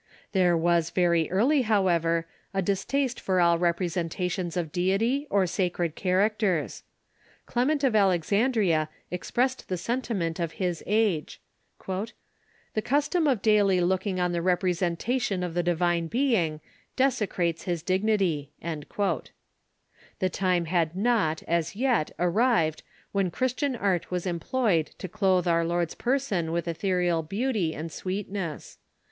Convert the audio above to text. There was very early, however, a distaste for all representations of deity or sacred characters. Clement of Alexandria expressed the sentiment of his age :" The cus tom of daily looking on the representation of the Divine Being desecrates his dignity." The time had not, as yet, arrived when Christian art was employed to clothe our Lord's person with ethereal beauty and sweetness.